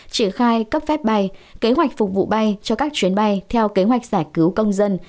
triển khai cấp phép bay kế hoạch phục vụ bay cho các chuyến bay theo kế hoạch giải cứu công dân